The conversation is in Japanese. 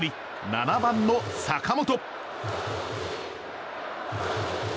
７番の坂本。